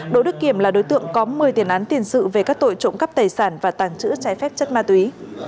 đỗ đức kiểm là đối tượng có một mươi tiền án tiền sự về các tội trộm cắp tài sản và tàng trữ trái phép chất ma túy